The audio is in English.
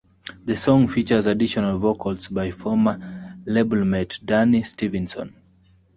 The song features additional vocals by former labelmate Dani Stevenson.